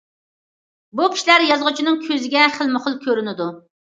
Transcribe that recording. بۇ كىشىلەر يازغۇچىنىڭ كۆزىگە خىلمۇ- خىل كۆرۈنىدۇ.